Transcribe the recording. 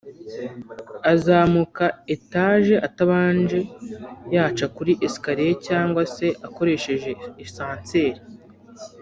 azamuka etaje atabanje yaca kuri esikariye cyangwa se ngo akoresheje esanseri